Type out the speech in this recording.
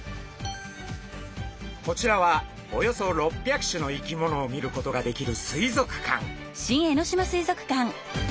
こちらはおよそ６００種の生き物を見ることができる水族館。